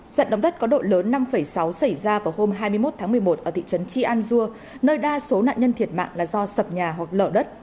trận đống đất có độ lớn năm sáu xảy ra vào hôm hai mươi một tháng một mươi một ở thị trấn chianjua nơi đa số nạn nhân thiệt mạng là do sập nhà hoặc lỡ đất